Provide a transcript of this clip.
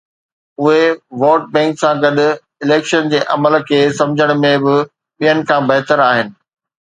اهي vote bank سان گڏ اليڪشن جي عمل کي سمجهڻ ۾ به ٻين کان بهتر آهن.